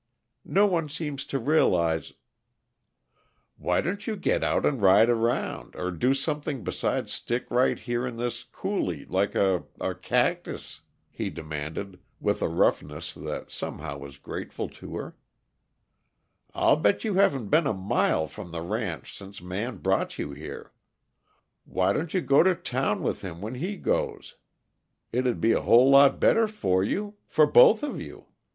No one seems to realize " "Why don't you get out and ride around, or do something beside stick right here in this coulee like a a cactus?" he demanded, with a roughness that somehow was grateful to her. "I'll bet you haven't been a mile from the ranch since Man brought you here. Why don't you go to town with him when he goes? It'd be a whole lot better for you for both of you.